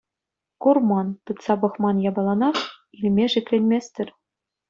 Курман, тытса пӑхман япаланах илме шикленместӗр.